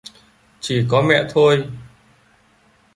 Chỉ có mẹ thôi